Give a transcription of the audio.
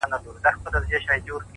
يې په ملا باندې درانه لفظونه نه ايږدمه”